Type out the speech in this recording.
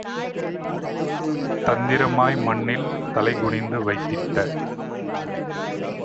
தந்திரமாய் மண்ணில் தலைகுனிந்து வைத்திட்ட